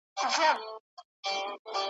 لا کیسه د ادم خان ده زر کلونه سوه شرنګیږي ,